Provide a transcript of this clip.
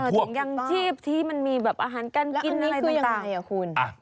ยังชีพที่มันมีอาหารการกินอะไรต่าง